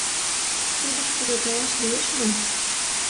— Судышкыжо толаш лиеш мо?